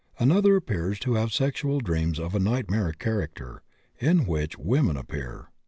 Another appears to have sexual dreams of a nightmare character in which women appear.